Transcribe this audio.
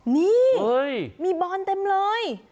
นี่มีบอลเต็มเลย